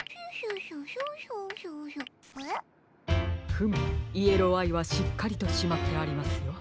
フムイエローアイはしっかりとしまってありますよ。